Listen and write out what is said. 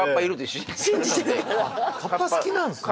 カッパ好きなんですね